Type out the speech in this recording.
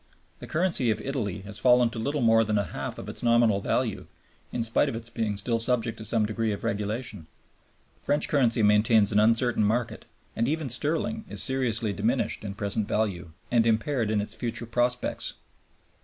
The currency of Italy has fallen to little more than a half of its nominal value in spite of its being still subject to some degree of regulation; French currency maintains an uncertain market; and even sterling is seriously diminished in present value and impaired in its future prospects.